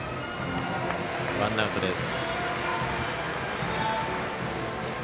ワンアウトです。